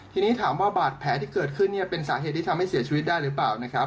ทีนี้ถามว่าบาดแผลที่เกิดขึ้นเนี่ยเป็นสาเหตุที่ทำให้เสียชีวิตได้หรือเปล่านะครับ